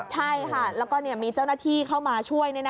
ใช่ค่ะแล้วก็มีเจ้าหน้าที่เข้ามาช่วย